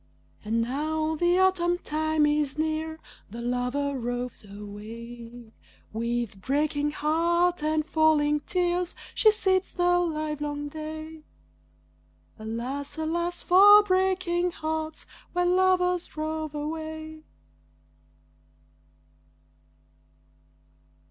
And now the autumn time is near, The lover roves away, With breaking heart and falling tear, She sits the livelong day. Alas! alas! for breaking hearts when lovers rove away.